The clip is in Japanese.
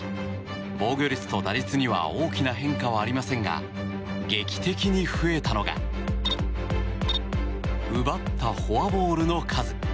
防御率と打率には大きな変化はありませんが劇的に増えたのが奪ったフォアボールの数。